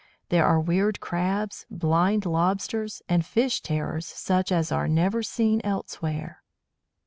There are weird Crabs, blind Lobsters, and fish terrors such as are never seen elsewhere.